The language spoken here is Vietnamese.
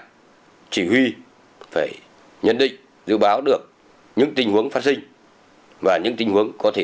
chỉ huy phải nhận định dự báo được những tình huống phát sinh và những tình huống có thể